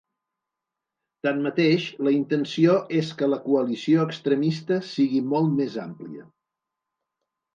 Tanmateix, la intenció és que la coalició extremista sigui molt més àmplia.